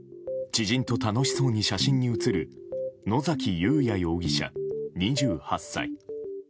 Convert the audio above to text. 知人と楽しそうに写真に写る野崎祐也容疑者、２８歳。